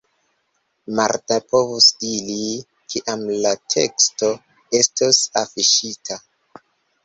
Martin povus diri, kiam la teksto estos afiŝita.